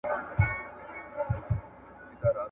هغه منابع چي موږ لرو کافي دي.